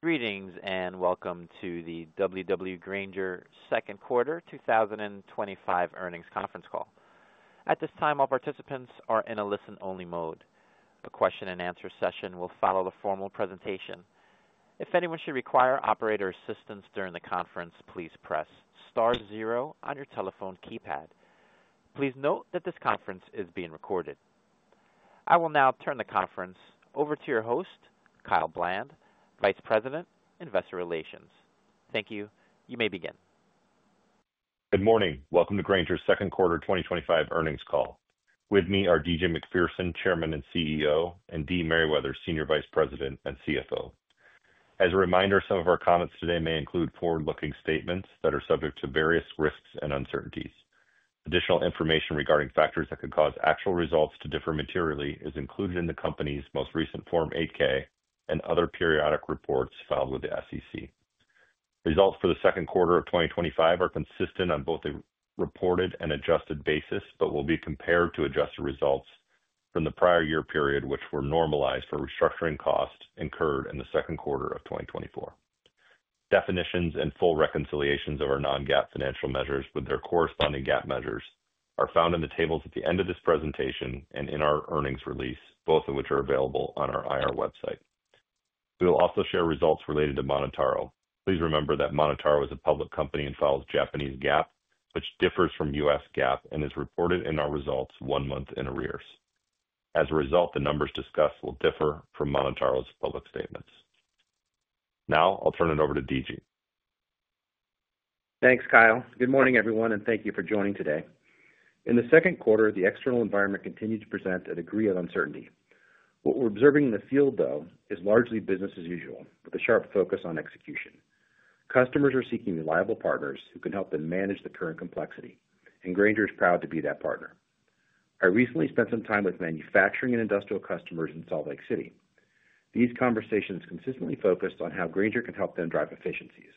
Greetings, and welcome to the W.W. Grainger second quarter 2025 earnings conference call. At this time, all participants are in a listen-only mode. The question and answer session will follow the formal presentation. If anyone should require operator assistance during the conference, please press star zero on your telephone keypad. Please note that this conference is being recorded. I will now turn the conference over to your host, Kyle Bland, Vice President, Investor Relations. Thank you. You may begin. Good morning. Welcome to Grainger's second quarter 2025 earnings call. With me are D.G. Macpherson, Chairman and CEO, and Deidra Merriwether, Senior Vice President and CFO. As a reminder, some of our comments today may include forward-looking statements that are subject to various risks and uncertainties. Additional information regarding factors that could cause actual results to differ materially is included in the company's most recent Form 8-K and other periodic reports filed with the SEC. Results for the second quarter of 2025 are consistent on both a reported and adjusted basis, but will be compared to adjusted results from the prior year period, which were normalized for restructuring costs incurred in the second quarter of 2024. Definitions and full reconciliations of our non-GAAP financial measures with their corresponding GAAP measures are found in the tables at the end of this presentation and in our earnings release, both of which are available on our IR website. We will also share results related to MonotaRO. Please remember that MonotaRO is a public company and follows Japanese GAAP, which differs from U.S. GAAP and is reported in our results one month in arrears. As a result, the numbers discussed will differ from MonotaRO's public statements. Now, I'll turn it over to D.G. Thanks, Kyle. Good morning, everyone, and thank you for joining today. In the second quarter, the external environment continued to present a degree of uncertainty. What we're observing in the field, though, is largely business as usual, with a sharp focus on execution. Customers are seeking reliable partners who can help them manage the current complexity, and Grainger is proud to be that partner. I recently spent some time with manufacturing and industrial customers in Salt Lake City. These conversations consistently focused on how Grainger can help them drive efficiencies,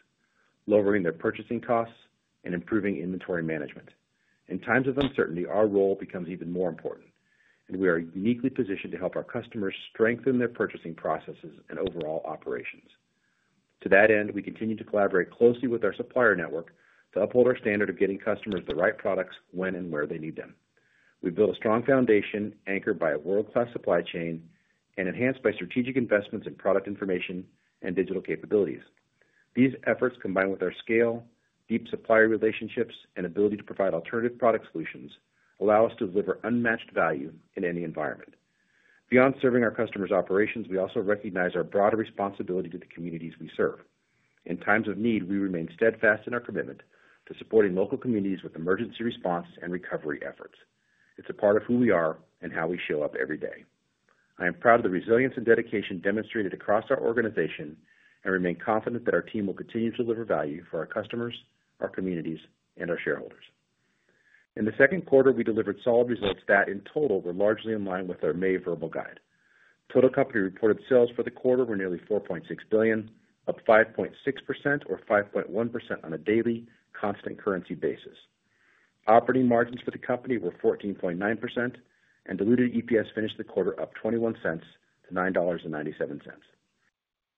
lowering their purchasing costs, and improving inventory management. In times of uncertainty, our role becomes even more important, and we are uniquely positioned to help our customers strengthen their purchasing processes and overall operations. To that end, we continue to collaborate closely with our supplier network to uphold our standard of getting customers the right products when and where they need them. We've built a strong foundation anchored by a world-class supply chain and enhanced by strategic investments in product information and digital capabilities. These efforts, combined with our scale, deep supplier relationships, and ability to provide alternative product solutions, allow us to deliver unmatched value in any environment. Beyond serving our customers' operations, we also recognize our broader responsibility to the communities we serve. In times of need, we remain steadfast in our commitment to supporting local communities with emergency response and recovery efforts. It's a part of who we are and how we show up every day. I am proud of the resilience and dedication demonstrated across our organization and remain confident that our team will continue to deliver value for our customers, our communities, and our shareholders. In the second quarter, we delivered solid results that, in total, were largely in line with our May verbal guide. Total company reported sales for the quarter were nearly $4.6 billion, up 5.6% or 5.1% on a daily, constant currency basis. Operating margins for the company were 14.9%, and diluted EPS finished the quarter up $0.21 to $9.97.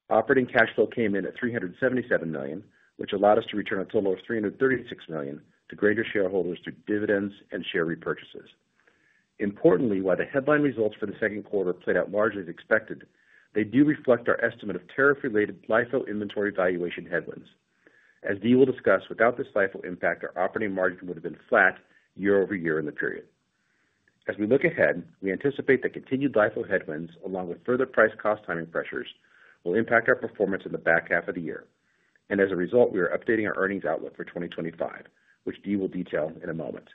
Operating cash flow came in at $377 million, which allowed us to return a total of $336 million to Grainger shareholders through dividends and share repurchases. Importantly, while the headline results for the second quarter played out largely as expected, they do reflect our estimate of tariff-related LIFO inventory valuation headwinds. As Dee will discuss, without this LIFO impact, our operating margin would have been flat year-over-year in the period. As we look ahead, we anticipate that continued LIFO headwinds, along with further price-cost timing pressures, will impact our performance in the back half of the year. As a result, we are updating our earnings outlook for 2025, which Dee will detail in a moment.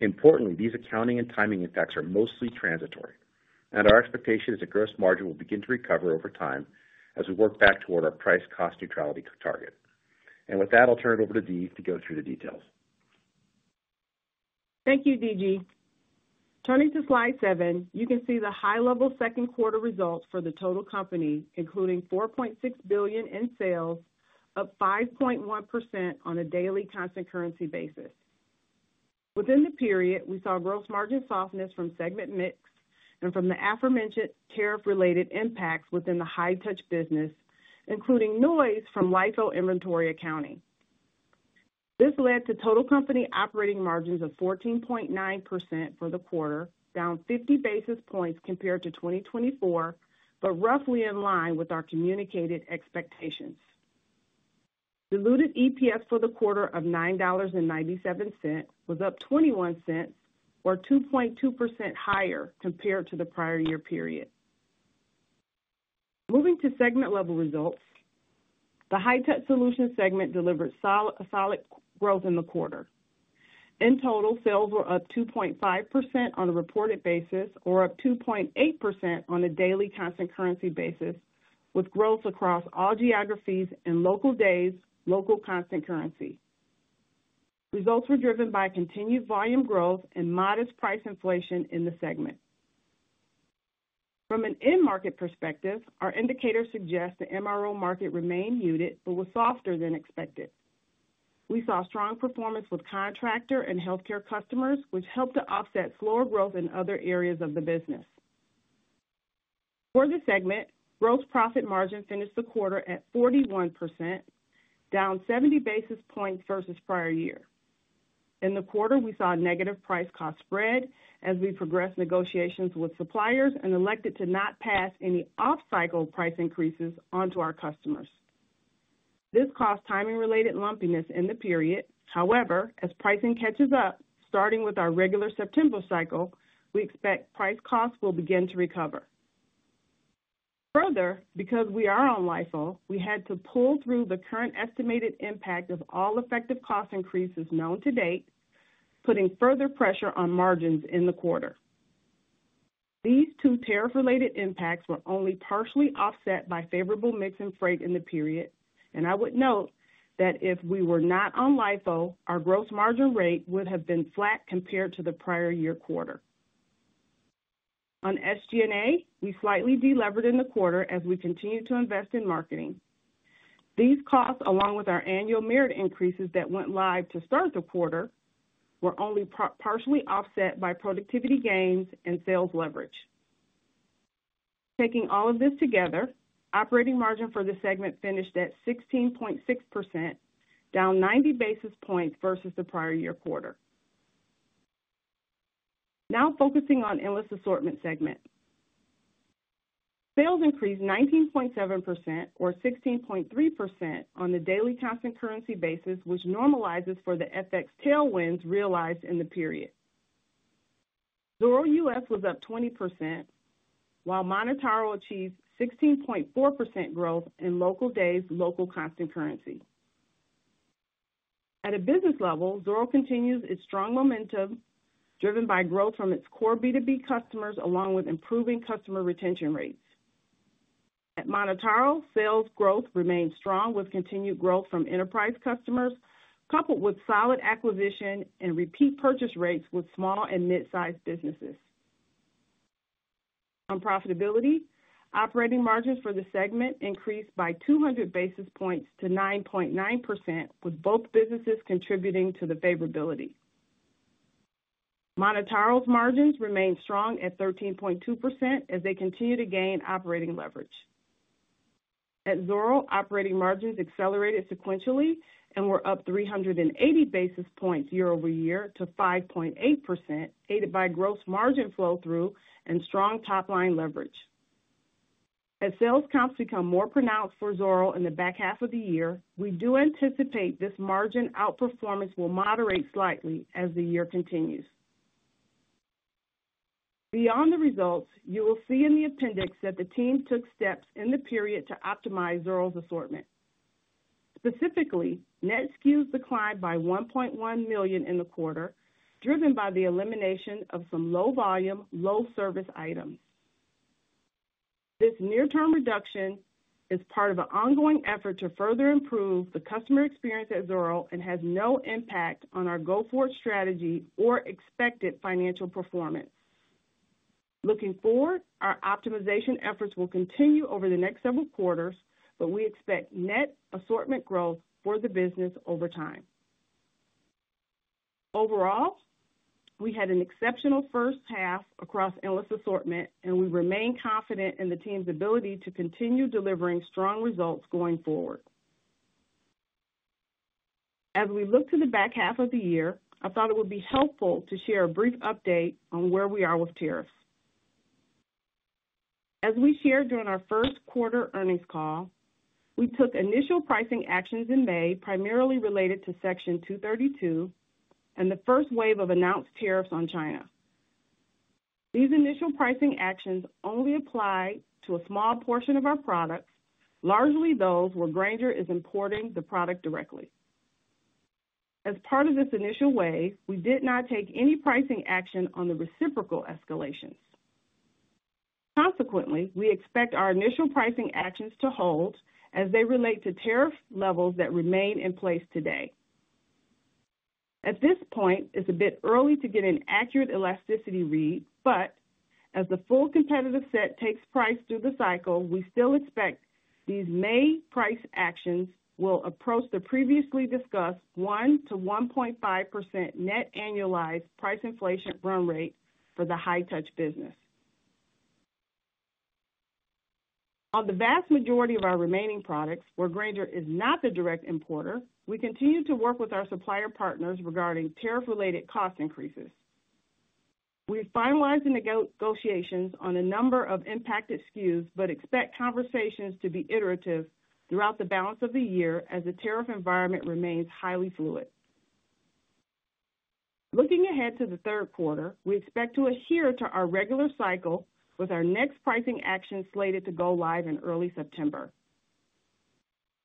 Importantly, these accounting and timing effects are mostly transitory, and our expectation is that gross margin will begin to recover over time as we work back toward our price-cost neutrality target. With that, I'll turn it over to Dee to go through the details. Thank you, D.G. Turning to slide seven, you can see the high-level second quarter results for the total company, including $4.6 billion in sales, up 5.1% on a daily, constant currency basis. Within the period, we saw gross margin softness from segment mix and from the aforementioned tariff-related impacts within the High-Touch business, including noise from LIFO inventory accounting. This led to total company operating margins of 14.9% for the quarter, down 50 basis points compared to 2024, but roughly in line with our communicated expectations. Diluted EPS for the quarter of $9.97 was up $0.21, or 2.2% higher compared to the prior year period. Moving to segment-level results, the High-Touch solution segment delivered solid growth in the quarter. In total, sales were up 2.5% on a reported basis, or up 2.8% on a daily, constant currency basis, with growth across all geographies and local days, local constant currency. Results were driven by continued volume growth and modest price inflation in the segment. From an in-market perspective, our indicators suggest the MRO market remained muted, but was softer than expected. We saw strong performance with contractor and healthcare customers, which helped to offset slower growth in other areas of the business. For the segment, gross profit margin finished the quarter at 41%, down 70 basis points versus prior year. In the quarter, we saw a negative price-cost spread as we progressed negotiations with suppliers and elected to not pass any off-cycle price increases onto our customers. This caused timing-related lumpiness in the period. However, as pricing catches up, starting with our regular September cycle, we expect price costs will begin to recover. Further, because we are on LIFO, we had to pull through the current estimated impact of all effective cost increases known to date, putting further pressure on margins in the quarter. These two tariff-related impacts were only partially offset by favorable mix and freight in the period, and I would note that if we were not on LIFO, our gross margin rate would have been flat compared to the prior year quarter. On SG&A, we slightly delevered in the quarter as we continued to invest in marketing. These costs, along with our annual merit increases that went live to start the quarter, were only partially offset by productivity gains and sales leverage. Taking all of this together, operating margin for the segment finished at 16.6%, down 90 basis points versus the prior year quarter. Now focusing on the Endless Assortment segment. Sales increased 19.7% or 16.3% on the daily constant currency basis, which normalizes for the FX tailwinds realized in the period. Zoro U.S. was up 20%, while MonotaRO achieved 16.4% growth in local days, local constant currency. At a business level, Zoro U.S. continues its strong momentum, driven by growth from its core B2B customers, along with improving customer retention rates. At MonotaRO, sales growth remained strong, with continued growth from enterprise customers, coupled with solid acquisition and repeat purchase rates with small and mid-sized businesses. On profitability, operating margins for the segment increased by 200 basis points to 9.9%, with both businesses contributing to the favorability. MonotaRO's margins remained strong at 13.2% as they continue to gain operating leverage. At Zoro, operating margins accelerated sequentially and were up 380 basis points year-over-year to 5.8%, aided by gross margin flow-through and strong top-line leverage. As sales comps become more pronounced for Zoro in the back half of the year, we do anticipate this margin outperformance will moderate slightly as the year continues. Beyond the results, you will see in the appendix that the team took steps in the period to optimize Zoro U.S.'s assortment. Specifically, net SKUs declined by $1.1 million in the quarter, driven by the elimination of some low volume, low service items. This near-term reduction is part of an ongoing effort to further improve the customer experience at Zoro and has no impact on our go forward strategy or expected financial performance. Looking forward, our optimization efforts will continue over the next several quarters, but we expect net assortment growth for the business over time. Overall, we had an exceptional first half across Endless Assortment, and we remain confident in the team's ability to continue delivering strong results going forward. As we look to the back half of the year, I thought it would be helpful to share a brief update on where we are with tariffs. As we shared during our first quarter earnings call, we took initial pricing actions in May, primarily related to Section 232 and the first wave of announced tariffs on China. These initial pricing actions only apply to a small portion of our products, largely those where Grainger is importing the product directly. As part of this initial wave, we did not take any pricing action on the reciprocal escalations. Consequently, we expect our initial pricing actions to hold as they relate to tariff levels that remain in place today. At this point, it's a bit early to get an accurate elasticity read, but as the full competitive set takes price through the cycle, we still expect these May price actions will approach the previously discussed 1% to 1.5% net annualized price inflation run rate for the High-Touch business. On the vast majority of our remaining products, where Grainger is not the direct importer, we continue to work with our supplier partners regarding tariff-related cost increases. We've finalized the negotiations on a number of impacted SKUs, but expect conversations to be iterative throughout the balance of the year as the tariff environment remains highly fluid. Looking ahead to the third quarter, we expect to adhere to our regular cycle with our next pricing action slated to go live in early September.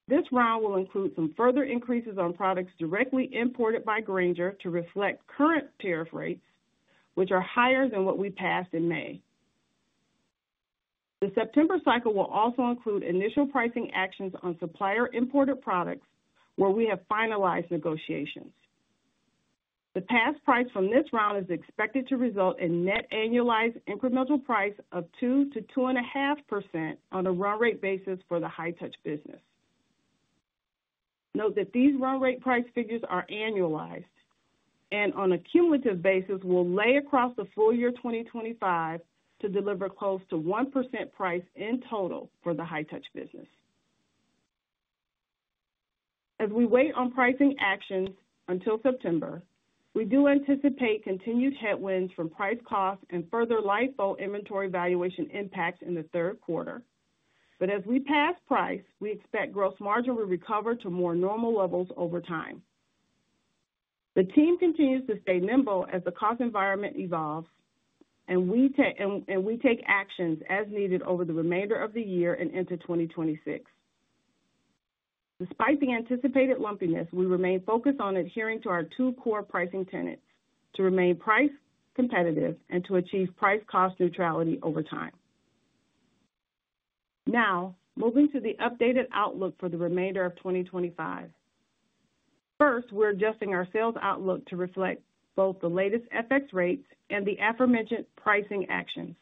This round will include some further increases on products directly imported by Grainger to reflect current tariff rates, which are higher than what we passed in May. The September cycle will also include initial pricing actions on supplier imported products where we have finalized negotiations. The pass price from this round is expected to result in net annualized incremental price of 2% to 2.5% on a run rate basis for the High-Touch business. Note that these run rate price figures are annualized and on a cumulative basis will lay across the full year 2025 to deliver close to 1% price in total for the High-Touch business. As we wait on pricing actions until September, we do anticipate continued headwinds from price-cost and further LIFO inventory valuation impacts in the third quarter. As we pass price, we expect gross margin will recover to more normal levels over time. The team continues to stay nimble as the cost environment evolves, and we take actions as needed over the remainder of the year and into 2026. Despite the anticipated lumpiness, we remain focused on adhering to our two core pricing tenets: to remain price competitive and to achieve price-cost neutrality over time. Now, moving to the updated outlook for the remainder of 2025. First, we're adjusting our sales outlook to reflect both the latest FX rates and the aforementioned pricing actions,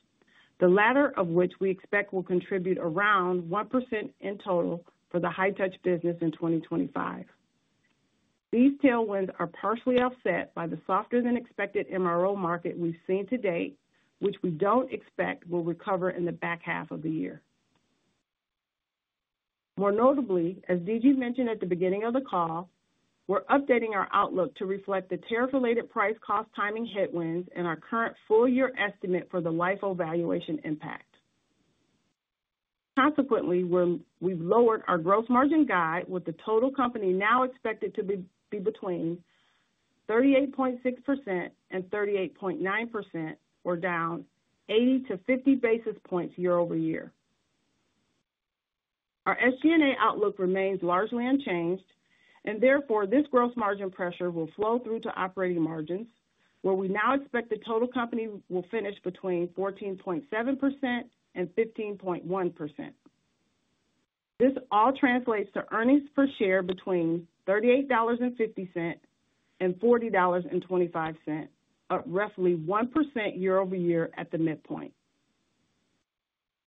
the latter of which we expect will contribute around 1% in total for the High-Touch business in 2025. These tailwinds are partially offset by the softer than expected MRO market we've seen to date, which we don't expect will recover in the back half of the year. More notably, as D.G. mentioned at the beginning of the call, we're updating our outlook to reflect the tariff-related price-cost timing headwinds and our current full-year estimate for the LIFO valuation impact. Consequently, we've lowered our gross margin guide with the total company now expected to be between 38.6% and 38.9%, or down 80 to 50 basis points year-over-year. Our SG&A outlook remains largely unchanged, and therefore this gross margin pressure will flow through to operating margins, where we now expect the total company will finish between 14.7% and 15.1%. This all translates to diluted earnings per share between $38.50 and $40.25, up roughly 1% year-over-year at the midpoint.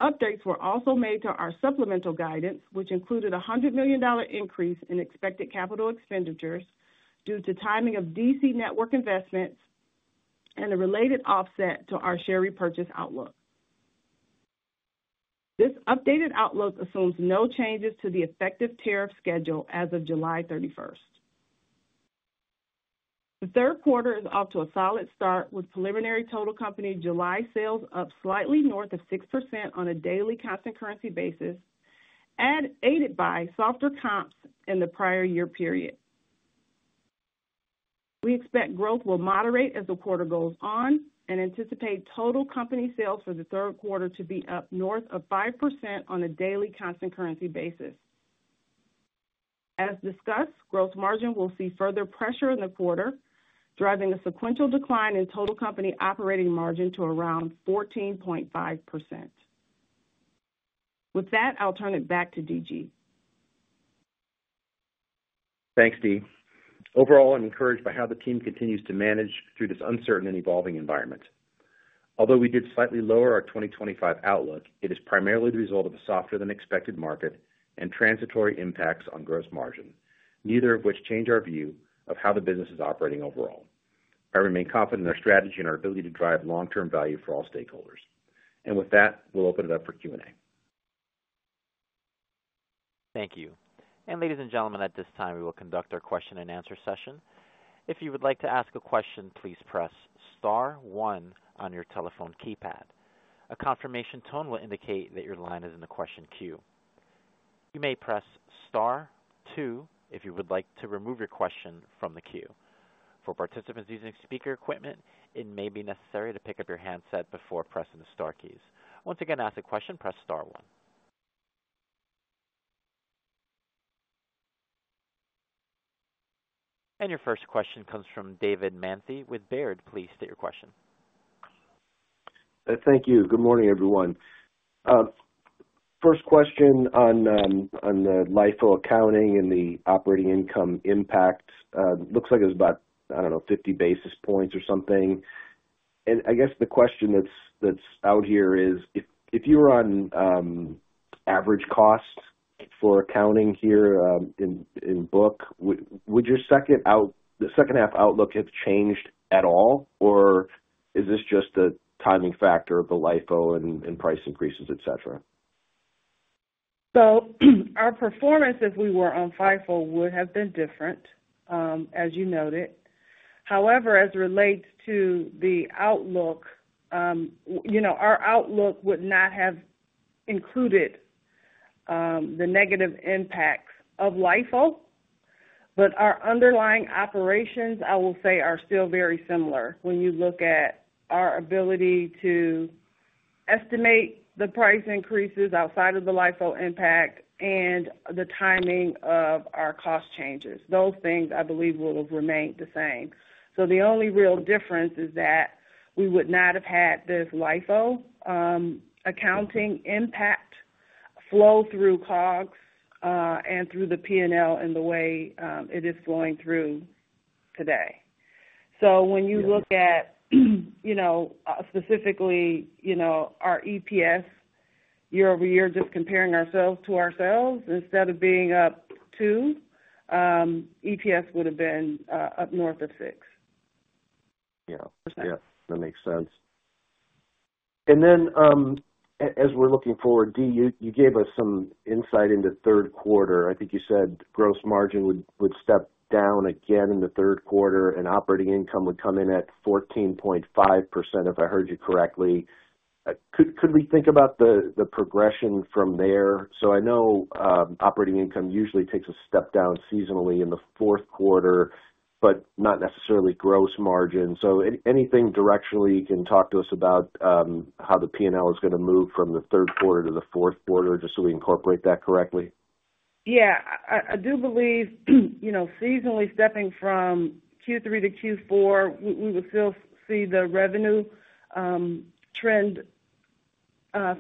Updates were also made to our supplemental guidance, which included a $100 million increase in expected capital expenditures due to timing of DC network investments and the related offset to our share repurchase outlook. This updated outlook assumes no changes to the effective tariff schedule as of July 31st. The third quarter is off to a solid start with preliminary total company July sales up slightly north of 6% on a daily, constant currency basis, aided by softer comps in the prior year period. We expect growth will moderate as the quarter goes on and anticipate total company sales for the third quarter to be up north of 5% on a daily, constant currency basis. As discussed, gross margin will see further pressure in the quarter, driving a sequential decline in total company operating margin to around 14.5%. With that, I'll turn it back to D.G. Thanks, Dee. Overall, I'm encouraged by how the team continues to manage through this uncertain and evolving environment. Although we did slightly lower our 2025 outlook, it is primarily the result of a softer than expected market and transitory impacts on gross margin, neither of which change our view of how the business is operating overall. I remain confident in our strategy and our ability to drive long-term value for all stakeholders. With that, we'll open it up for Q&A. Thank you. Ladies and gentlemen, at this time, we will conduct our question and answer session. If you would like to ask a question, please press star one on your telephone keypad. A confirmation tone will indicate that your line is in the question queue. You may press star two if you would like to remove your question from the queue. For participants using speaker equipment, it may be necessary to pick up your handset before pressing the star keys. Once again, to ask a question, press star one. Your first question comes from David Manthey with Baird. Please state your question. Thank you. Good morning, everyone. First question on the LIFO accounting and the operating income impact. It looks like it was about, I don't know, 50 basis points or something. I guess the question that's out here is, if you were on average costs for accounting here in book, would your second half outlook have changed at all, or is this just a timing factor of the LIFO and price increases, et cetera? Our performance, if we were on FIFO, would have been different, as you noted. However, as it relates to the outlook, our outlook would not have included the negative impacts of LIFO, but our underlying operations, I will say, are still very similar when you look at our ability to estimate the price increases outside of the LIFO impact and the timing of our cost changes. Those things, I believe, will have remained the same. The only real difference is that we would not have had this LIFO accounting impact flow through COGS and through the P&L in the way it is flowing through today. When you look at, specifically, our EPS year-over-year, just comparing ourselves to ourselves, instead of being up two, EPS would have been up north of six. Yeah, that makes sense. As we're looking forward, Dee, you gave us some insight into third quarter. I think you said gross margin would step down again in the third quarter and operating income would come in at 14.5%, if I heard you correctly. Could we think about the progression from there? I know operating income usually takes a step down seasonally in the fourth quarter, but not necessarily gross margin. Is there anything directionally you can talk to us about how the P&L is going to move from the third quarter to the fourth quarter, just so we incorporate that correctly? Yeah, I do believe, you know, seasonally stepping from Q3 to Q4, we will still see the revenue trend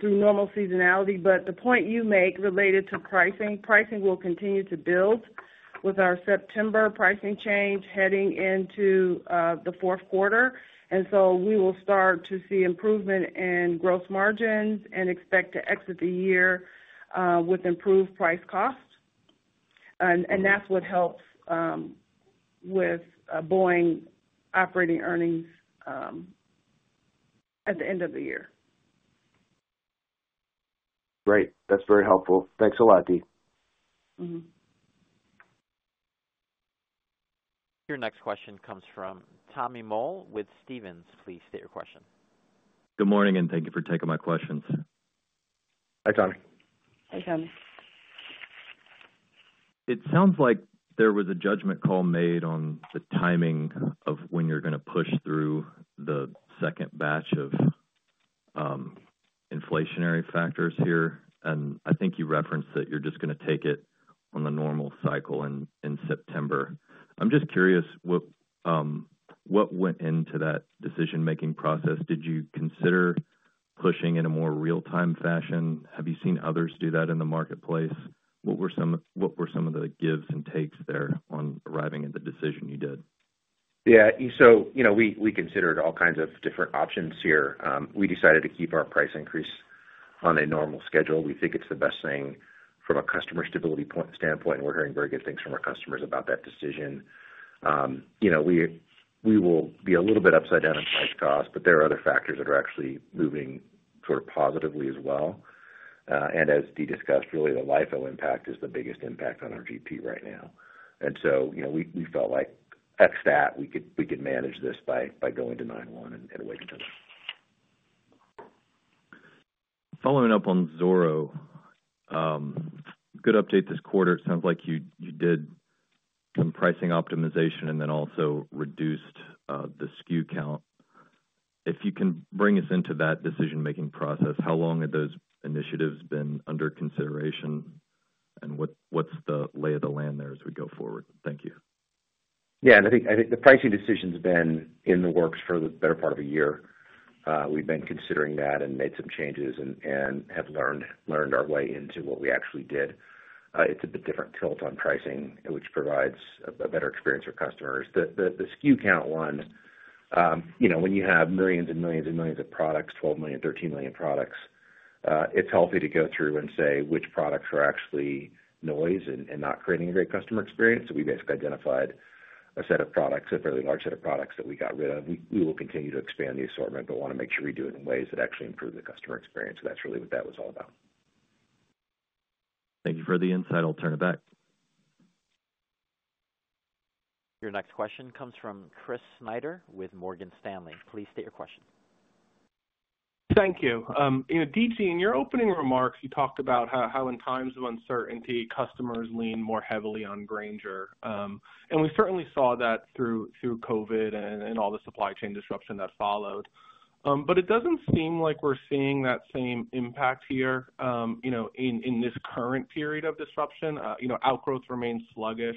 through normal seasonality. The point you make related to pricing, pricing will continue to build with our September pricing change heading into the fourth quarter. We will start to see improvement in gross margins and expect to exit the year with improved price costs. That's what helps with growing operating earnings at the end of the year. Great. That's very helpful. Thanks a lot, Dee. Your next question comes from Tommy Moll with Stephens. Please state your question. Good morning, and thank you for taking my questions. Hi, Tommy. Hi, Tommy. It sounds like there was a judgment call made on the timing of when you're going to push through the second batch of inflationary factors here. I think you referenced that you're just going to take it on the normal cycle in September. I'm just curious, what went into that decision-making process? Did you consider pushing in a more real-time fashion? Have you seen others do that in the marketplace? What were some of the gives and takes there on arriving at the decision you did? Yeah. You know, we considered all kinds of different options here. We decided to keep our price increase on a normal schedule. We think it's the best thing from a customer stability standpoint, and we're hearing very good things from our customers about that decision. We will be a little bit upside down in price costs, but there are other factors that are actually moving sort of positively as well. As Dee discussed, really, the LIFO impact is the biggest impact on our GP right now. We felt like, except that, we could manage this by going to nine-one and waiting for that. Following up on Zoro, good update this quarter. It sounds like you did some pricing optimization and then also reduced the SKU count. If you can bring us into that decision-making process, how long had those initiatives been under consideration and what's the lay of the land there as we go forward? Thank you. Yeah. I think the pricing decision's been in the works for the better part of a year. We've been considering that and made some changes and have learned our way into what we actually did. It's a bit different tilt on pricing, which provides a better experience for customers. The SKU count one, you know, when you have millions and millions and millions of products, 12 million, 13 million products, it's healthy to go through and say which products are actually noise and not creating a great customer experience. We basically identified a set of products, a fairly large set of products that we got rid of. We will continue to expand the assortment, but want to make sure we do it in ways that actually improve the customer experience. That's really what that was all about. Thank you for the insight. I'll turn it back. Your next question comes from Chris Snyder with Morgan Stanley. Please state your question. Thank you. D.G., in your opening remarks, you talked about how in times of uncertainty, customers lean more heavily on Grainger. We certainly saw that through COVID and all the supply chain disruption that followed. It doesn't seem like we're seeing that same impact here. In this current period of disruption, outgrowth remains sluggish.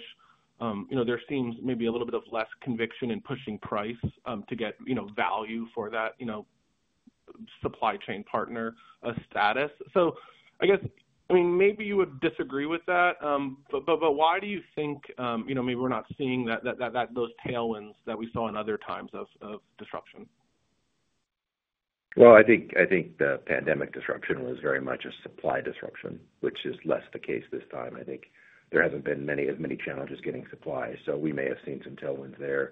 There seems maybe a little bit of less conviction in pushing price to get value for that supply chain partner status. I guess, maybe you would disagree with that. Why do you think maybe we're not seeing those tailwinds that we saw in other times of disruption? I think the pandemic disruption was very much a supply disruption, which is less the case this time. I think there haven't been as many challenges getting supplies, so we may have seen some tailwinds there.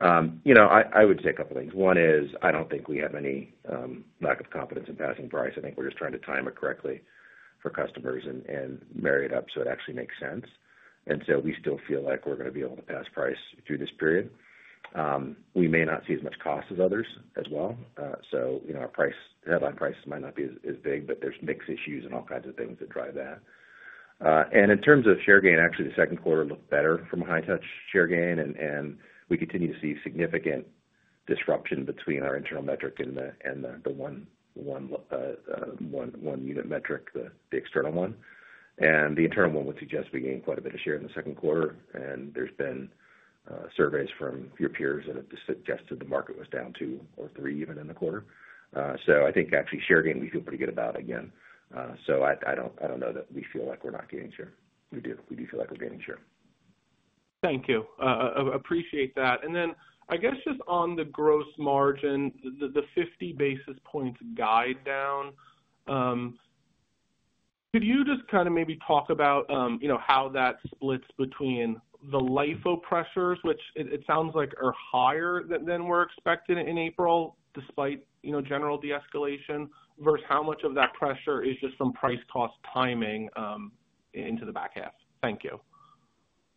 I would say a couple of things. One is I don't think we have any lack of confidence in passing price. I think we're just trying to time it correctly for customers and marry it up so it actually makes sense. We still feel like we're going to be able to pass price through this period. We may not see as much cost as others as well, so our headline prices might not be as big, but there are mixed issues and all kinds of things that drive that. In terms of share gain, actually, the second quarter looked better from a High-Touch share gain, and we continue to see significant disruption between our internal metric and the one-unit metric, the external one. The internal one would suggest we gained quite a bit of share in the second quarter. There have been surveys from your peers that have suggested the market was down 2% or 3% even in the quarter. I think actually share gain, we feel pretty good about again. I don't know that we feel like we're not gaining share. We do feel like we're gaining share. Thank you. Appreciate that. I guess just on the gross margin, the 50 basis points guide down, could you just kind of maybe talk about how that splits between the LIFO pressures, which it sounds like are higher than were expected in April, despite general de-escalation, versus how much of that pressure is just from price-cost timing into the back half? Thank you.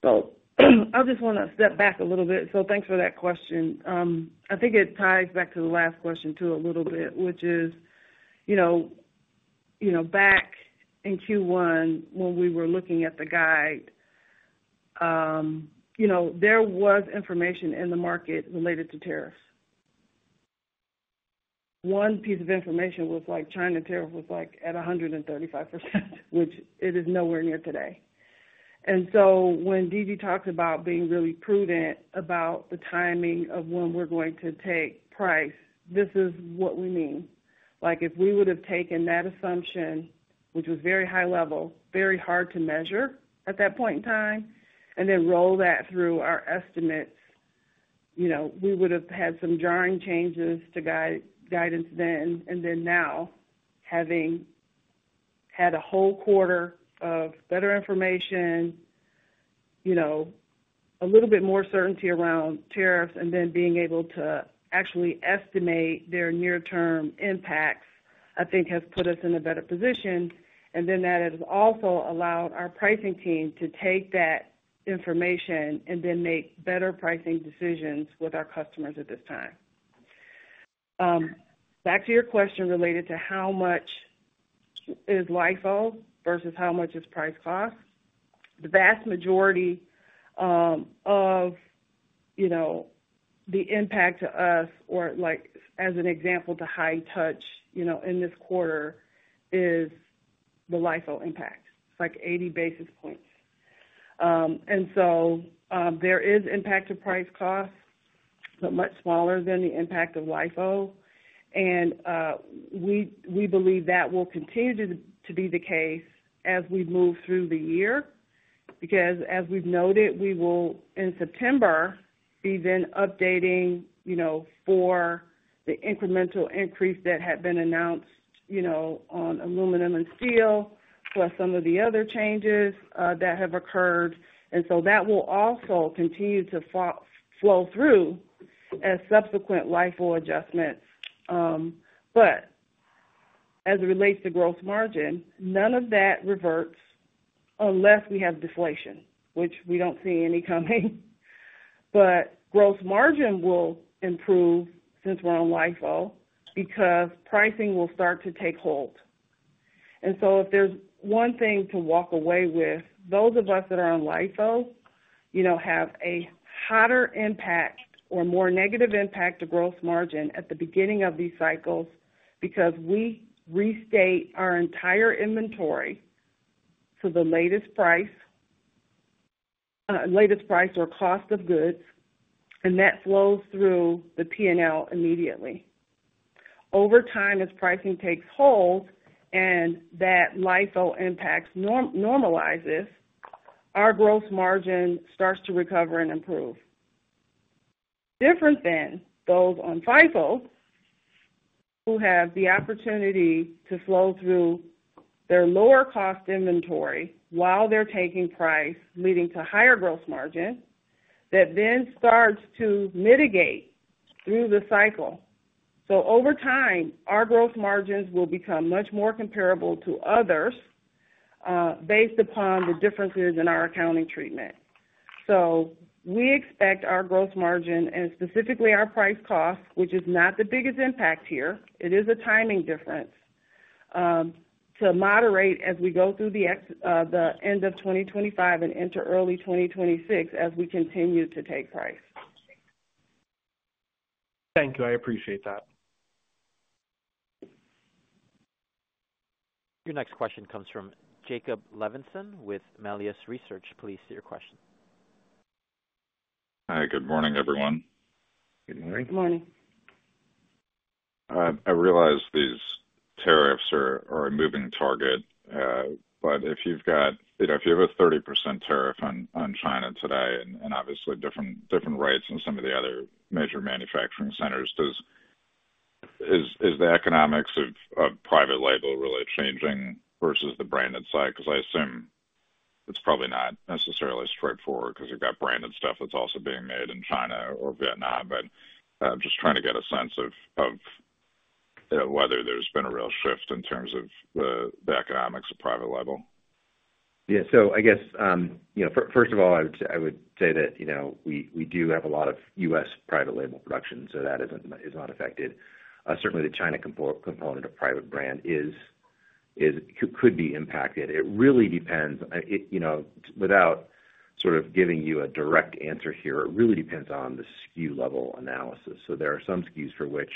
Oh, I just want to step back a little bit. Thanks for that question. I think it ties back to the last question too a little bit, which is, you know, back in Q1, when we were looking at the guide, there was information in the market related to tariffs. One piece of information was like China tariff was like at 135%, which it is nowhere near today. When D.G. talked about being really prudent about the timing of when we're going to take price, this is what we mean. If we would have taken that assumption, which was very high level, very hard to measure at that point in time, and then roll that through our estimates, we would have had some jarring changes to guidance then. Now, having had a whole quarter of better information, a little bit more certainty around tariffs, and then being able to actually estimate their near-term impacts, I think has put us in a better position. That has also allowed our pricing team to take that information and then make better pricing decisions with our customers at this time. Back to your question related to how much is LIFO versus how much is price cost. The vast majority of the impact to us, or like as an example to High-Touch, in this quarter is the LIFO impact. It's like 80 basis points. There is impact to price cost, but much smaller than the impact of LIFO. We believe that will continue to be the case as we move through the year. As we've noted, we will in September be then updating for the incremental increase that had been announced on aluminum and steel, plus some of the other changes that have occurred. That will also continue to flow through as subsequent LIFO adjustments. As it relates to gross margin, none of that reverts unless we have deflation, which we don't see any coming. Gross margin will improve since we're on LIFO because pricing will start to take hold. If there's one thing to walk away with, those of us that are on LIFO have a hotter impact or more negative impact to gross margin at the beginning of these cycles because we restate our entire inventory to the latest price or cost of goods, and that flows through the P&L immediately. Over time, as pricing takes hold and that LIFO impact normalizes, our gross margin starts to recover and improve. Different than those on FIFO, who have the opportunity to flow through their lower cost inventory while they're taking price, leading to higher gross margin that then starts to mitigate through the cycle. Over time, our gross margins will become much more comparable to others based upon the differences in our accounting treatment. We expect our gross margin and specifically our price-cost, which is not the biggest impact here. It is a timing difference to moderate as we go through the end of 2025 and into early 2026 as we continue to take price. Thank you. I appreciate that. Your next question comes from Jacob Levinson with Melius Research. Please state your question. Hi, good morning, everyone. Good morning. Good morning. I realize these tariffs are a moving target. If you have a 30% tariff on China today and obviously different rates in some of the other major manufacturing centers, is the economics of private label really changing versus the branded side? I assume it's probably not necessarily straightforward because you've got branded stuff that's also being made in China or Vietnam. I'm just trying to get a sense of whether there's been a real shift in terms of the economics of private label. Yeah. First of all, I would say that we do have a lot of U.S. private label production, so that is not affected. Certainly, the China component of private brand could be impacted. It really depends, without sort of giving you a direct answer here, it really depends on the SKU level analysis. There are some SKUs for which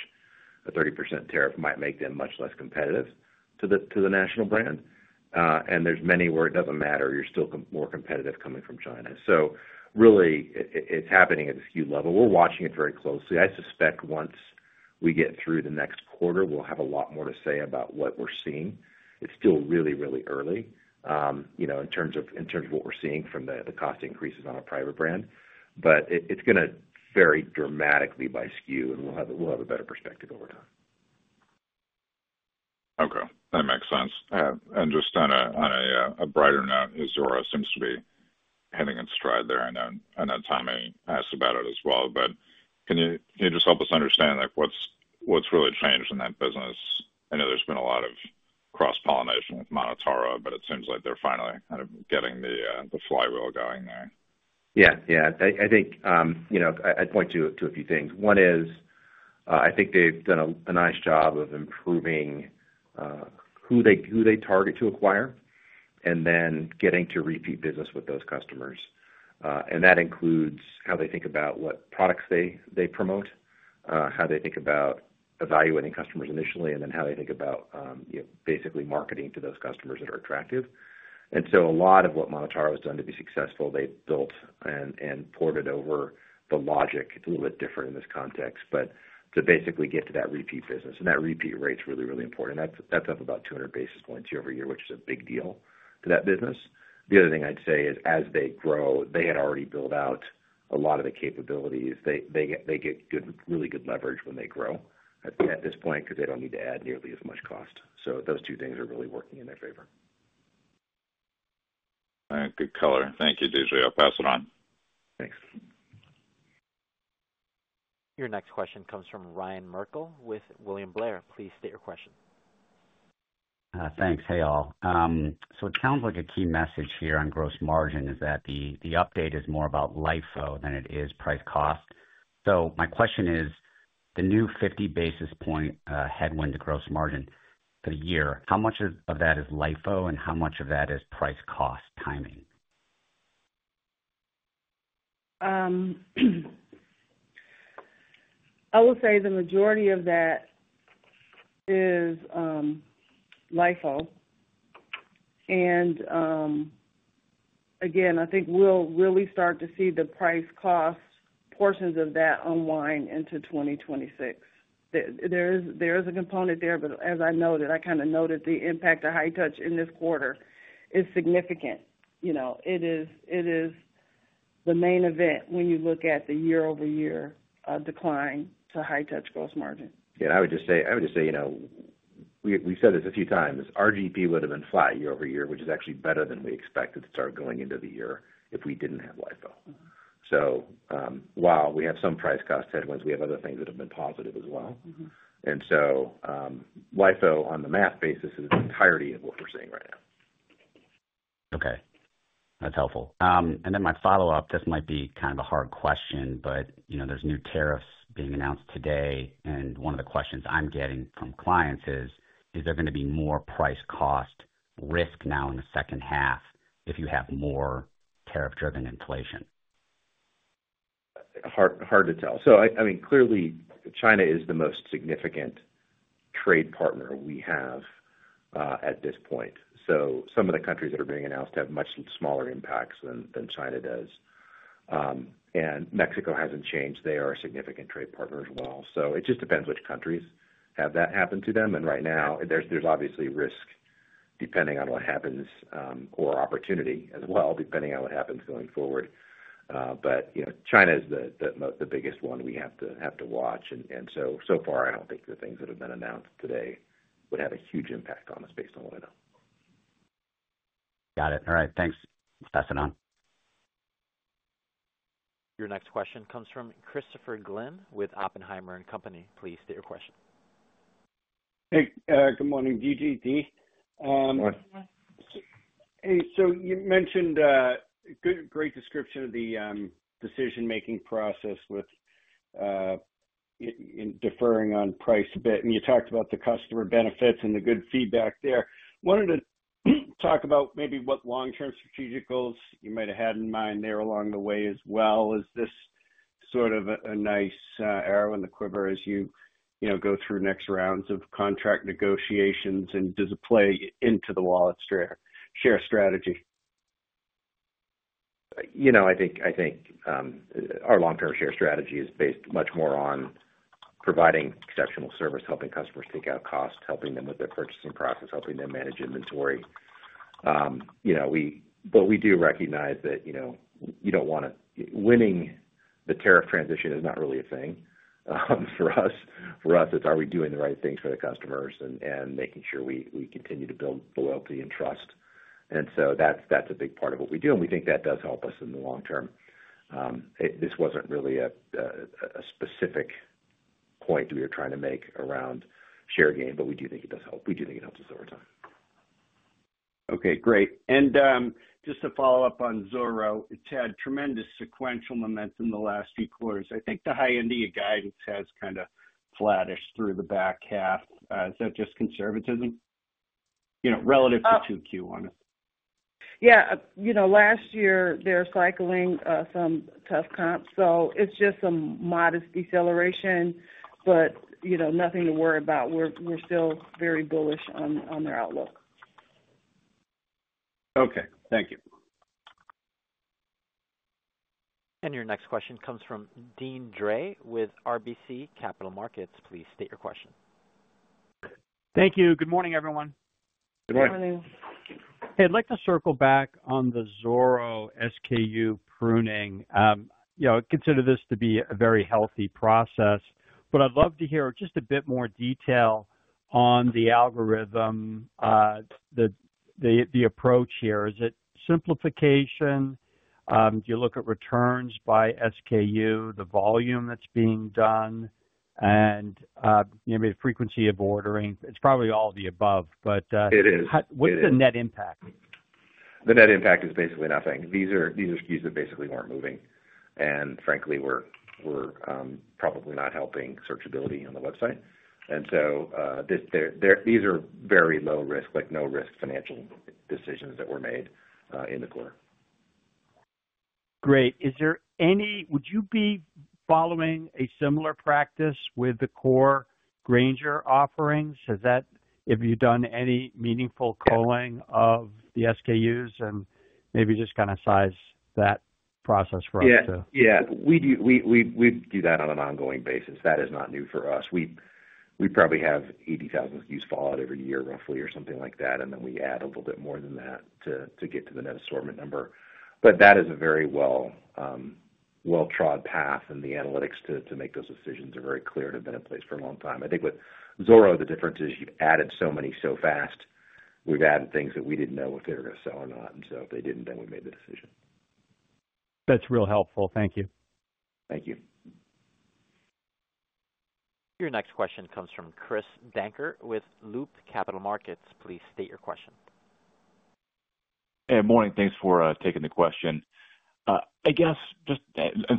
a 30% tariff might make them much less competitive to the national brand, and there are many where it doesn't matter. You're still more competitive coming from China. It's happening at the SKU level. We're watching it very closely. I suspect once we get through the next quarter, we'll have a lot more to say about what we're seeing. It's still really, really early in terms of what we're seeing from the cost increases on a private brand, but it's going to vary dramatically by SKU, and we'll have a better perspective over time. Okay. That makes sense. Just on a brighter note, Zoro seems to be heading in stride there. I know Tommy asked about it as well, but can you just help us understand what's really changed in that business? I know there's been a lot of cross-pollination with MonotaRO, but it seems like they're finally kind of getting the flywheel going there. Yeah. I think, you know, I'd point to a few things. One is I think they've done a nice job of improving who they target to acquire and then getting to repeat business with those customers. That includes how they think about what products they promote, how they think about evaluating customers initially, and then how they think about basically marketing to those customers that are attractive. A lot of what MonotaRO has done to be successful, they built and ported over the logic. It's a little bit different in this context, but to basically get to that repeat business. That repeat rate is really, really important. That's up about 200 basis points year-over-year, which is a big deal to that business. The other thing I'd say is as they grow, they had already built out a lot of the capabilities. They get good, really good leverage when they grow at this point because they don't need to add nearly as much cost. Those two things are really working in their favor. Good color. Thank you, D.G. I'll pass it on. Thanks. Your next question comes from Ryan Merkel with William Blair. Please state your question. Thanks. Hey, all. It sounds like a key message here on gross margin is that the update is more about LIFO than it is price-cost. My question is, the new 50 basis point headwind to gross margin for the year, how much of that is LIFO and how much of that is price-cost timing? I will say the majority of that is LIFO. I think we'll really start to see the price-cost portions of that unwind into 2026. There is a component there, but as I noted, I kind of noted the impact of High-Touch in this quarter is significant. It is the main event when you look at the year-over-year decline to High-Touch gross margin. I would just say, you know, we've said this a few times, our GP would have been flat year-over-year, which is actually better than we expected to start going into the year if we didn't have LIFO. While we have some price-cost headwinds, we have other things that have been positive as well. LIFO on the math basis is the entirety of what we're seeing right now. Okay. That's helpful. My follow-up, this might be kind of a hard question, but you know, there are new tariffs being announced today. One of the questions I'm getting from clients is, is there going to be more price-cost risk now in the second half if you have more tariff-driven inflation? Hard to tell. I mean, clearly, China is the most significant trade partner we have at this point. Some of the countries that are being announced have much smaller impacts than China does. Mexico hasn't changed. They are a significant trade partner as well. It just depends which countries have that happen to them. Right now, there's obviously risk depending on what happens or opportunity as well, depending on what happens going forward. You know, China is the biggest one we have to watch. So far, I don't think the things that have been announced today would have a huge impact on us based on what I know. Got it. All right. Thanks. Pass it on. Your next question comes from Christopher Glynn with Oppenheimer & Company. Please state your question. Hey, good morning, D.G, Dee. Morning. You mentioned a great description of the decision-making process with deferring on price a bit. You talked about the customer benefits and the good feedback there. I wanted to talk about maybe what long-term strategic goals you might have had in mind there along the way as well. Is this sort of a nice arrow in the quiver as you go through next rounds of contract negotiations? Does it play into the wallet share strategy? I think our long-term share strategy is based much more on providing exceptional service, helping customers take out costs, helping them with their purchasing process, helping them manage inventory. We do recognize that you don't want to, winning the tariff transition is not really a thing for us. For us, it's are we doing the right things for the customers and making sure we continue to build loyalty and trust. That's a big part of what we do, and we think that does help us in the long term. This wasn't really a specific point we were trying to make around share gain, but we do think it does help. We do think it helps us over time. Okay, great. Just to follow up on Zoro, it's had tremendous sequential momentum in the last few quarters. I think the high-end guidance has kind of flattished through the back half. Is that just conservatism, you know, relative to 2Q, honestly. Yeah, last year, they're cycling some tough comps. It's just some modest deceleration, but nothing to worry about. We're still very bullish on their outlook. Okay, thank you. Your next question comes from Deane Dray with RBC Capital Markets. Please state your question. Thank you. Good morning, everyone. Good morning. Good morning. Hey, I'd like to circle back on the Zoro SKU pruning. I consider this to be a very healthy process, but I'd love to hear just a bit more detail on the algorithm, the approach here. Is it simplification? Do you look at returns by SKU, the volume that's being done, and maybe the frequency of ordering? It's probably all of the above, but what's the net impact? The net impact is basically nothing. These are SKUs that basically weren't moving, and frankly, were probably not helping searchability on the website. These are very low-risk, like no-risk financial decisions that were made in the core. Great. Is there any, would you be following a similar practice with the core Grainger offerings? Has that, have you done any meaningful culling of the SKUs and maybe just kind of size that process for us too? Yeah. We do that on an ongoing basis. That is not new for us. We probably have 80,000 SKUs fall out every year, roughly, or something like that. We add a little bit more than that to get to the net assortment number. That is a very well-trod path, and the analytics to make those decisions are very clear and have been in place for a long time. I think with Zoro, the difference is you've added so many so fast. We've added things that we didn't know if they were going to sell or not. If they didn't, then we made the decision. That's really helpful. Thank you. Thank you. Your next question comes from Chris Danker with Loop Capital Markets. Please state your question. Hey, good morning. Thanks for taking the question.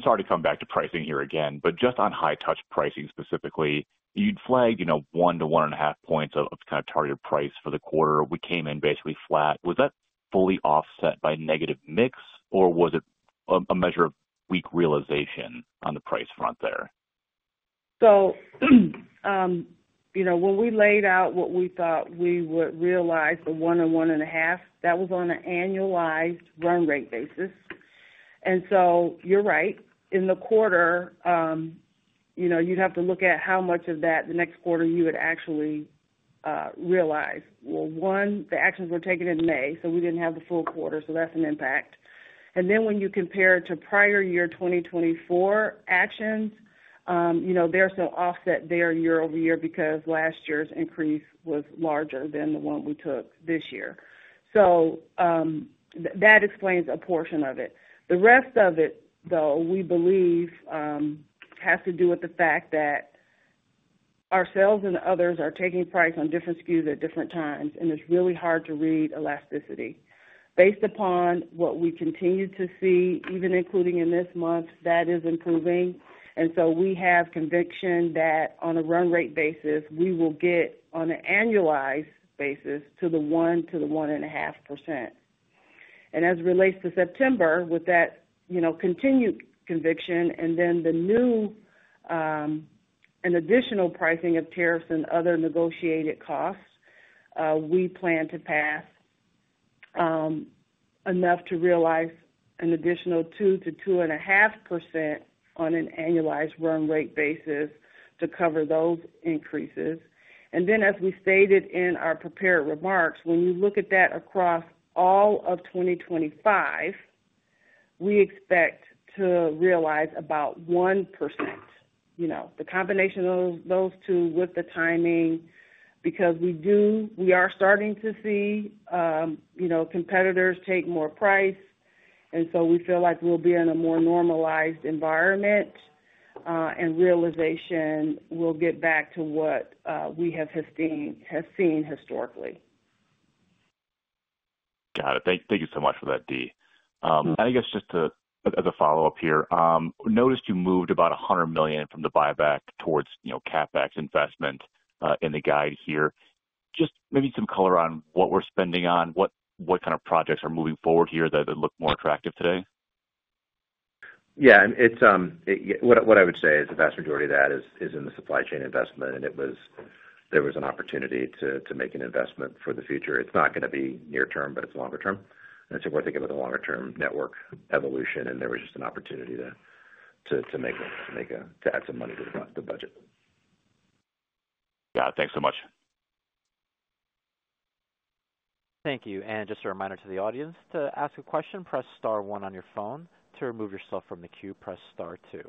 Sorry to come back to pricing here again, but just on High-Touch pricing specifically, you'd flagged one to one and a half points of kind of target price for the quarter. We came in basically flat. Was that fully offset by negative mix, or was it a measure of weak realization on the price front there? When we laid out what we thought we would realize, the 1% and 1.5%, that was on an annualized run rate basis. You're right, in the quarter, you'd have to look at how much of that the next quarter you would actually realize. The actions were taken in May, so we didn't have the full quarter. That's an impact. When you compare it to prior year 2024 actions, there's some offset there year-over-year because last year's increase was larger than the one we took this year. That explains a portion of it. The rest of it, though, we believe has to do with the fact that ourselves and others are taking price on different SKUs at different times, and it's really hard to read elasticity. Based upon what we continue to see, even including in this month, that is improving. We have conviction that on a run rate basis, we will get on an annualized basis to the 1% to the 1.5%. As it relates to September, with that continued conviction and then the new and additional pricing of tariffs and other negotiated costs, we plan to pass enough to realize an additional 2% to 2.5% on an annualized run rate basis to cover those increases. As we stated in our prepared remarks, when you look at that across all of 2025, we expect to realize about 1%. The combination of those two with the timing, because we are starting to see competitors take more price, we feel like we'll be in a more normalized environment, and realization will get back to what we have seen historically. Got it. Thank you so much for that, Dee. And I guess just as a follow-up here, noticed you moved about $100 million from the buyback towards, you know, CapEx investment in the guide here. Just maybe some color on what we're spending on, what kind of projects are moving forward here that look more attractive today? Yeah, what I would say is the vast majority of that is in the supply chain investment. It was an opportunity to make an investment for the future. It's not going to be near-term, but it's longer term. We're thinking about the longer-term network evolution, and there was just an opportunity to make a, to add some money to the budget. Got it. Thanks so much. Thank you. Just a reminder to the audience, to ask a question, press star one on your phone. To remove yourself from the queue, press star two.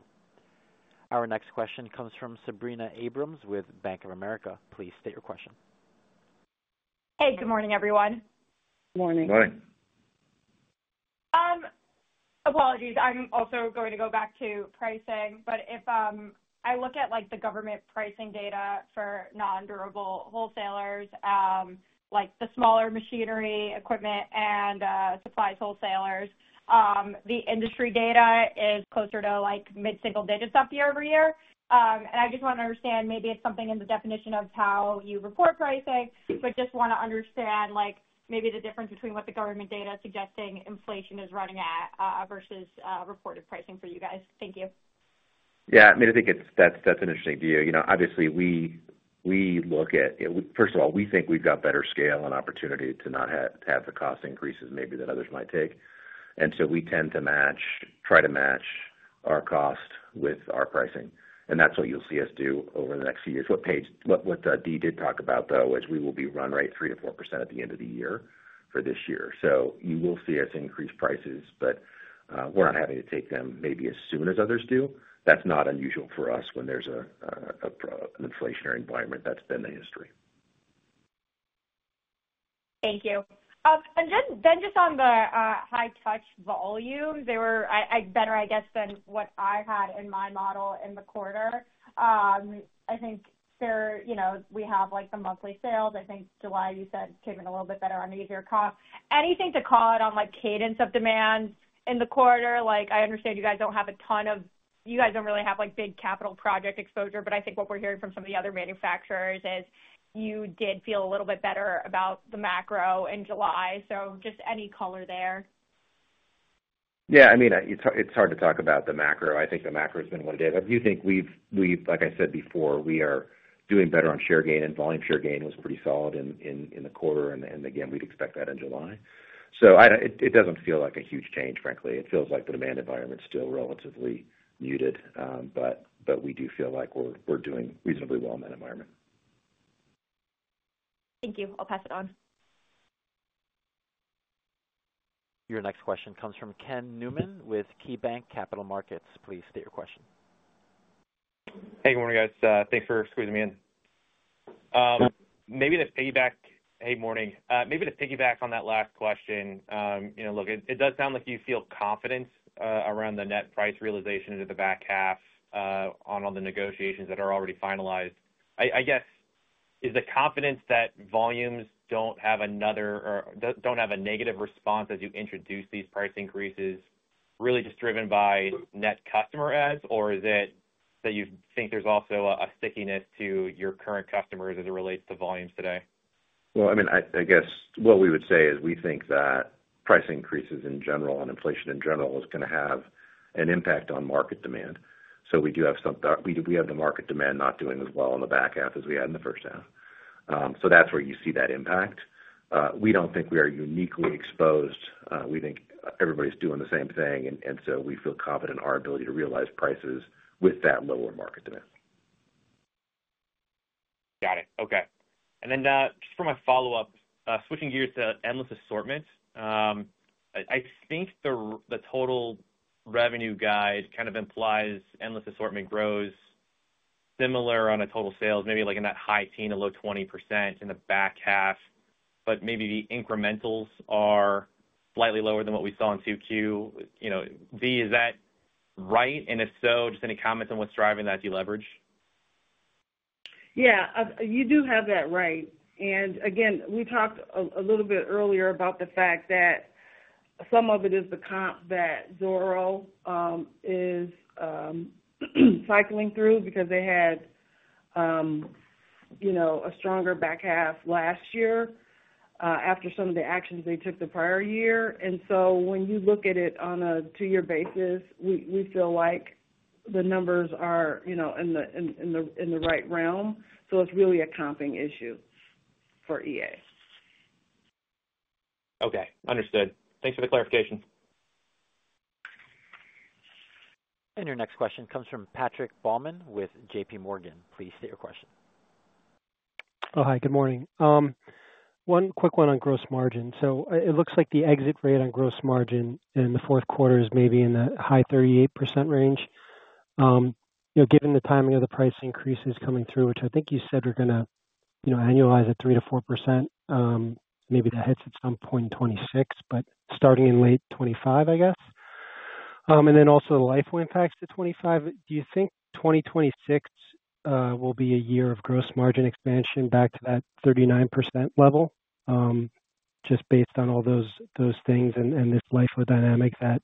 Our next question comes from Sabrina Abrams with Bank of America. Please state your question. Hey, good morning, everyone. Morning. Morning. Apologies. I'm also going to go back to pricing. If I look at the government pricing data for non-durable wholesalers, like the smaller machinery, equipment, and supplies wholesalers, the industry data is closer to mid-single digits up year-over-year. I just want to understand, maybe it's something in the definition of how you report pricing, but just want to understand the difference between what the government data is suggesting inflation is running at versus reported pricing for you guys. Thank you. Yeah, I mean, I think that's an interesting view. Obviously, we look at, first of all, we think we've got better scale and opportunity to not have the cost increases maybe that others might take. We tend to try to match our cost with our pricing, and that's what you'll see us do over the next few years. What Dee did talk about, though, is we will be right at 3% to 4% at the end of the year for this year. You will see us increase prices, but we're not having to take them maybe as soon as others do. That's not unusual for us when there's an inflationary environment that's been in history. Thank you. Just on the High-Touch volume, they were better, I guess, than what I had in my model in the quarter. I think there, you know, we have like the monthly sales. I think July, you said, came in a little bit better on the easier cost. Anything to call out on cadence of demand in the quarter? I understand you guys don't have a ton of, you guys don't really have big capital project exposure, but I think what we're hearing from some of the other manufacturers is you did feel a little bit better about the macro in July. Just any color there? Yeah. I mean, it's hard to talk about the macro. I think the macro has been one of the data. I do think we've, like I said before, we are doing better on share gain, and volume share gain was pretty solid in the quarter. We'd expect that in July. It doesn't feel like a huge change, frankly. It feels like the demand environment's still relatively muted. We do feel like we're doing reasonably well in that environment. Thank you. I'll pass it on. Your next question comes from Ken Newman with KeyBanc Capital Markets. Please state your question. Hey, good morning, guys. Thanks for squeezing me in. Maybe to piggyback on that last question, you know, look, it does sound like you feel confident around the net price realization into the back half on all the negotiations that are already finalized. I guess, is the confidence that volumes don't have another or don't have a negative response as you introduce these price increases really just driven by net customer ads, or is it that you think there's also a stickiness to your current customers as it relates to volumes today? I guess what we would say is we think that price increases in general and inflation in general is going to have an impact on market demand. We do have the market demand not doing as well in the back half as we had in the first half, and that's where you see that impact. We don't think we are uniquely exposed. We think everybody's doing the same thing, and we feel confident in our ability to realize prices with that lower market demand. Got it. Okay. Just for my follow-up, switching gears to Endless Assortment, I think the total revenue guide kind of implies Endless Assortment grows similar on a total sales, maybe like in that high teen, a low 20% in the back half, but maybe the incrementals are slightly lower than what we saw in 2Q. Dee, is that right? If so, just any comments on what's driving that deleverage? Yeah. You do have that right. We talked a little bit earlier about the fact that some of it is the comp that Zoro is cycling through because they had, you know, a stronger back half last year after some of the actions they took the prior year. When you look at it on a two-year basis, we feel like the numbers are, you know, in the right realm. It's really a comping issue for EA. Okay, understood. Thanks for the clarification. Your next question comes from Patrick Baumann with JPMorgan. Please state your question. Oh, hi. Good morning. One quick one on gross margin. It looks like the exit rate on gross margin in the fourth quarter is maybe in the high 38% range. Given the timing of the price increases coming through, which I think you said are going to annualize at 3% to 4%, maybe that hits at some point in 2026, but starting in late 2025, I guess. Also, the LIFO impacts to 2025. Do you think 2026 will be a year of gross margin expansion back to that 39% level? Just based on all those things and this LIFO dynamic, that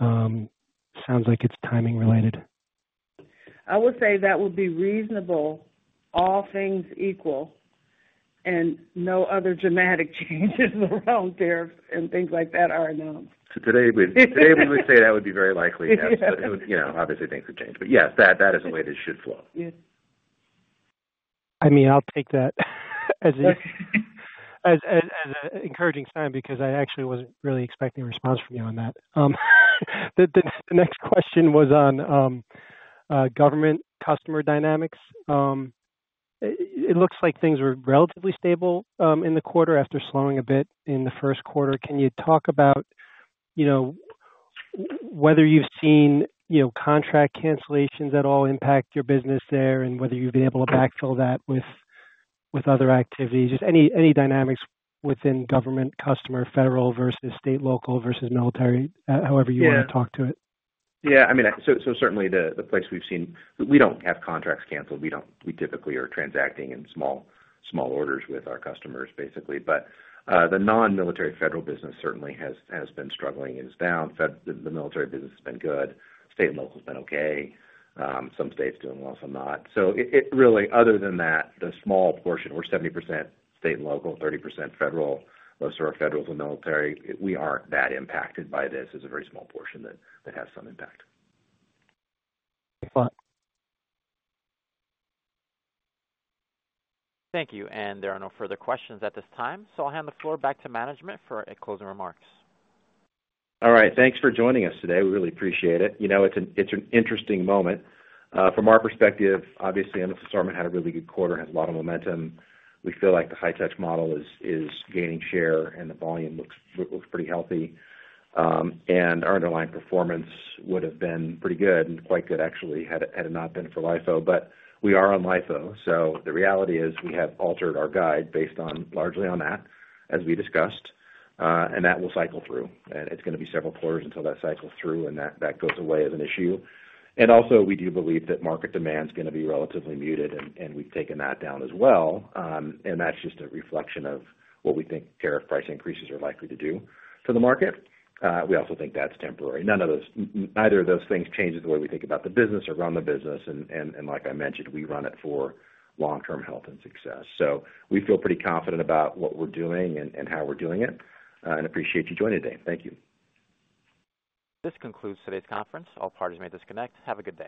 sounds like it's timing related. I would say that would be reasonable, all things equal, if no other dramatic changes around tariffs and things like that are announced. Today, we would say that would be very likely, yes. Obviously, things would change, but yes, that is the way this should flow. I'll take that as an encouraging sign because I actually wasn't really expecting a response from you on that. The next question was on government customer dynamics. It looks like things were relatively stable in the quarter after slowing a bit in the first quarter. Can you talk about whether you've seen contract cancellations at all impact your business there and whether you've been able to backfill that with other activities? Just any dynamics within government customer, federal versus state, local versus military, however you want to talk to it? Yeah. I mean, certainly the place we've seen, we don't have contracts canceled. We don't, we typically are transacting in small orders with our customers, basically. The non-military federal business certainly has been struggling and is down. The military business has been good. State and local has been okay, some states doing well, some not. Other than that, the small portion, we're 70% state and local, 30% federal. Most of our federal is military, we aren't that impacted by this. It's a very small portion that has some impact. Excellent. Thank you. There are no further questions at this time. I'll hand the floor back to management for closing remarks. All right. Thanks for joining us today. We really appreciate it. You know, it's an interesting moment. From our perspective, obviously, Endless Assortment had a really good quarter, has a lot of momentum. We feel like the High-Touch model is gaining share and the volume looks pretty healthy. Our underlying performance would have been pretty good and quite good, actually, had it not been for LIFO. We are on LIFO. The reality is we have altered our guide based largely on that, as we discussed. That will cycle through. It's going to be several quarters until that cycles through and that goes away as an issue. We do believe that market demand is going to be relatively muted, and we've taken that down as well. That's just a reflection of what we think tariff price increases are likely to do to the market. We also think that's temporary. Neither of those things changes the way we think about the business or run the business. Like I mentioned, we run it for long-term health and success. We feel pretty confident about what we're doing and how we're doing it. I appreciate you joining today. Thank you. This concludes today's conference. All parties may disconnect. Have a good day.